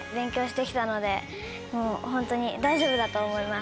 のでホントに大丈夫だと思います。